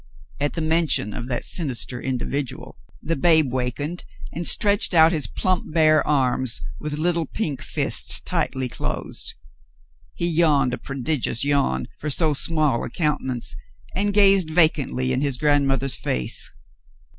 x\t the mention of that sinister individual, the babe wakened and stretched out his plump, bare arms, with little pink fists tightly closed. He yawned a prodigious yawn for so small a countenance, and gazed vacantly in his grandmother's face.